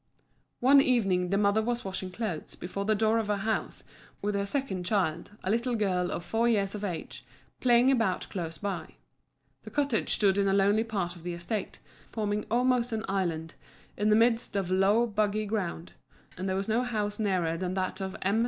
One evening the mother was washing clothes before the door of her house, with her second child, a little girl of four years of age, playing about close by. The cottage stood in a lonely part of the estate, forming almost an island in the midst of low boggy ground; and there was no house nearer than that of M.